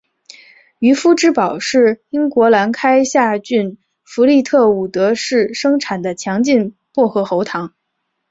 渔夫之宝是英国兰开夏郡弗利特伍德市生产的强劲薄荷喉糖。